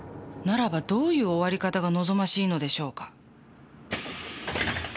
ならばどういう終わり方が望ましいのでしょうか？